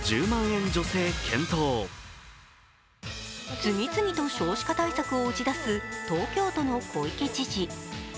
次々と少子化対策を打ち出す東京都の小池知事。